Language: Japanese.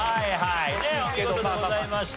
お見事でございました。